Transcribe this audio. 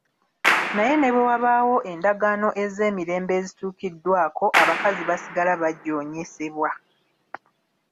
Naye ne bwe wabaawo endagaano ez’emirembe ezitukiddwako, abakazi basigala bajoonyesebwa.